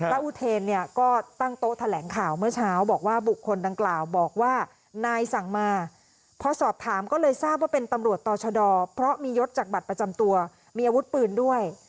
อุเทนเนี่ยก็ตั้งโต๊ะแถลงข่าวเมื่อเช้าบอกว่าบุคคลดังกล่าวบอกว่านายสั่งมาพอสอบถามก็เลยทราบว่าเป็นตำรวจต่อชะดอเพราะมียศจากบัตรประจำตัวมีอาวุธปืนด้วย